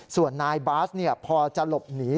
ส่วนนายบาสพอจะหลบหนี